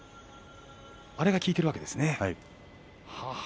あれが効いているわけですね。